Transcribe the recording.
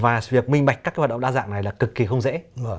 và sự minh bạch các hoạt động đa dạng này là cực kỳ không dễ